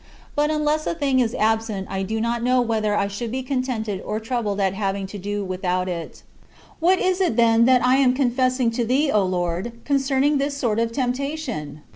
But unless a thing is absent I do not know whether I should be contented or troubled at having to do without it. 61. What is it, then, that I am confessing to thee, O Lord, concerning this sort of temptation?